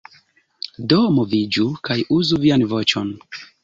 Do moviĝu, kaj uzu vian voĉon.